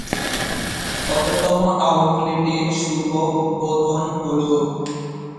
কততম আউটলেটের শুভ উদ্বোধন হলো?